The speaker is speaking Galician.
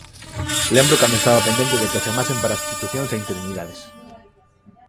Lembro cando estaba pendente de que a chamasen para substitucións e interinidades.